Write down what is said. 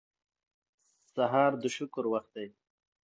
سهار د شکر وخت دی.